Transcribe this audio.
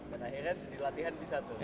dan akhirnya di latihan bisa tuh